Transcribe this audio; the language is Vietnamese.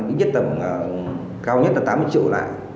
ít nhất tầm cao nhất là tám mươi triệu là